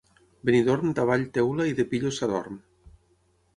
Benidorm davall teula i de pillos s'adorm.